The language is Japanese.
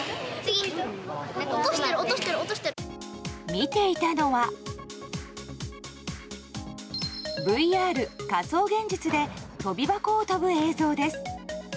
見ていたのはＶＲ・仮想現実で跳び箱を跳ぶ映像です。